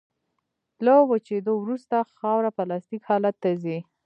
له وچېدو وروسته خاوره پلاستیک حالت ته ځي